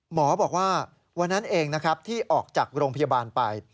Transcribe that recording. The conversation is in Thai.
หมอบอกว่าวันนั้นเองนะครับที่ออกจากโรงพยาบาลไป